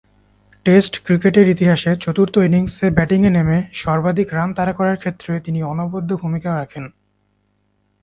Test ক্রিকেটের ইতিহাসে চতুর্থ ইনিংসে ব্যাটিংয়ে নেমে সর্বাধিক রান তাড়া করার ক্ষেত্রে তিনি অনবদ্য ভূমিকা রাখেন।